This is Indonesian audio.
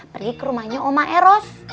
pergi ke rumahnya oma eros